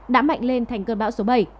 đã mạnh lên thành cơn bão số bảy